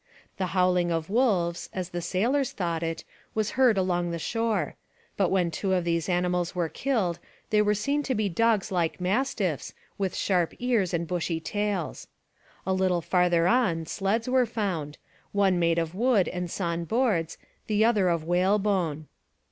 The howling of wolves, as the sailors thought it, was heard along the shore; but when two of these animals were killed they were seen to be dogs like mastiffs with sharp ears and bushy tails. A little farther on sleds were found, one made of wood and sawn boards, the other of whalebone.